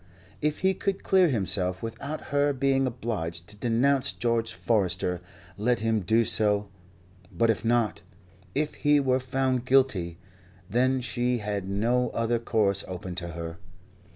If he could clear himself without her being obliged to denounce George Forester, let him do so; but if not, if he were found guilty, then she had no other course open to her.